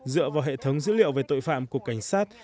dựa vào hệ thống dữ liệu về tội phạm của cảnh sát